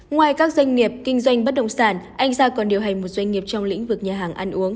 ngoài các doanh nghiệp kinh doanh bất động sản anh gia còn điều hành một doanh nghiệp trong lĩnh vực nhà hàng ăn uống